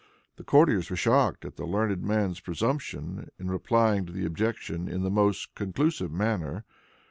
The courtiers were shocked at the learned man's presumption in replying to the objection in the most conclusive manner.